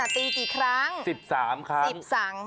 ตีกี่ครั้ง๑๓ครั้ง